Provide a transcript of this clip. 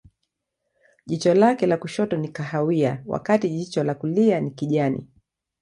Jicho lake la kushoto ni kahawia, wakati jicho la kulia ni kijani.